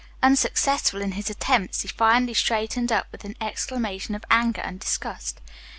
Unsuccessful in his attempts, he finally straightened up with an exclamation of anger and disgust.